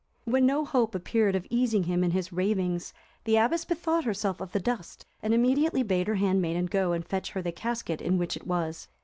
When no hope appeared of easing him in his ravings, the abbess bethought herself of the dust, and immediately bade her handmaiden go and fetch her the casket in which it was.